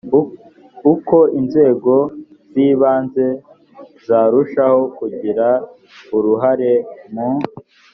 uko inzego z ibanze zarushaho kugira uruhare mu